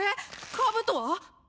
兜は？